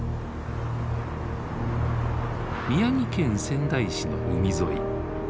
宮城県仙台市の海沿い。